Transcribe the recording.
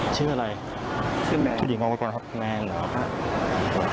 ชื่ออะไรชื่อแม่ที่มองกว่าแม่เหรอครับ